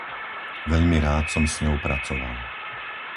Veľmi rád som s ňou pracoval.